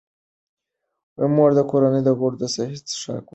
مور د کورنۍ غړو ته صحي څښاک ورکوي.